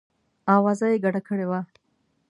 آوازه یې ګډه کړې وه.